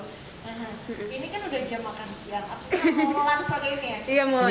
ini kan udah jam makan siang aku kan mau mulai langsung ini ya